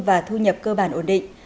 và thu nhập cơ bản ổn định